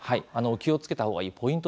気をつけた方がいいポイント